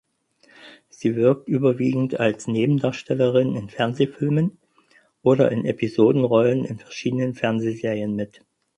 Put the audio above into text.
Sie wirkt überwiegend als Nebendarstellerin in Fernsehfilmen oder in Episodenrollen in verschiedenen Fernsehserien mit.